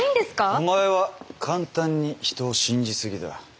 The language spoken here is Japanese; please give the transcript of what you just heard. お前は簡単に人を信じすぎだ。